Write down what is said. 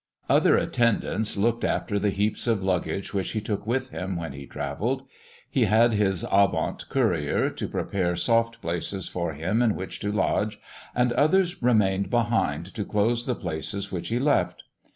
Other attendants looked after the heaps of luggage which he took with him when he travelled. He had his avant courier to prepare soft places for him in which to lodge, and others remained behind to close the places which he left.